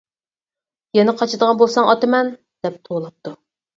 يەنە قاچىدىغان بولساڭ ئاتىمەن، دەپ توۋلاپتۇ.